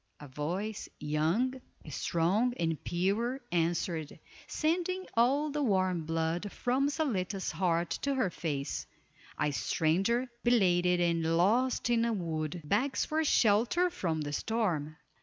A voice, young, strong, and pure, answered, sending all the warm blood from Zaletta's heart to her face: "A stranger, belated and lost in the wood, begs for shelter from the storm."